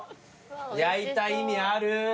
焼いた意味あるー！